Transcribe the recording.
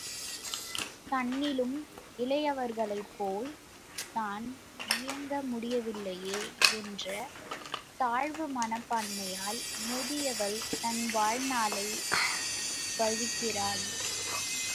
தன்னிலும் இளையவர்களைப்போல் தான் இயங்க முடியவில்லையே என்ற தாழ்வு மனப்பான்மையால், முதியவள் தன் வாழ்நாளைப் பழிக்கிறாள்.